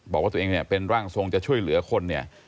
บอกว่าตัวเองเนี่ยเป็นร่างทรงจะช่วยเหลือคนเนี่ย